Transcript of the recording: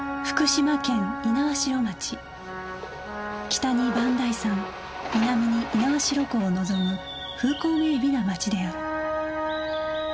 北に磐梯山南に猪苗代湖を望む風光明媚な町である